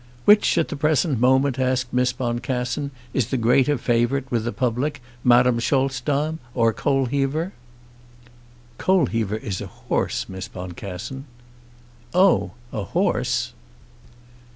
"Which at the present moment," asked Miss Boncassen, "is the greater favourite with the public, Madame Scholzdam or Coalheaver?" "Coalheaver is a horse, Miss Boncassen." "Oh, a horse!"